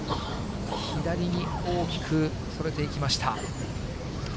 左に大きくそれていきました。